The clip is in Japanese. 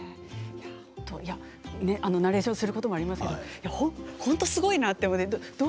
ナレーションをすることもありますけれど本当にすごいなって。